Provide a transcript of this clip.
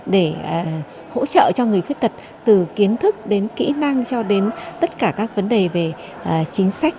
để hỗ trợ cho người khuyết tật từ kiến thức đến kỹ năng cho đến tất cả các vấn đề về chính sách